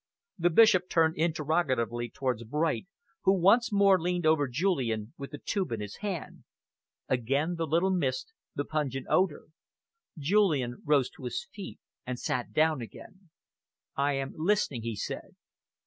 The Bishop turned interrogatively towards Bright, who once more leaned over Julian with the tube in his hand. Again the little mist, the pungent odour. Julian rose to his feet and sat down again. "I am listening," he said.